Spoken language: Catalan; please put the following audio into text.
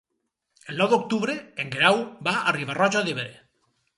El nou d'octubre en Guerau va a Riba-roja d'Ebre.